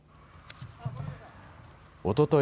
おととい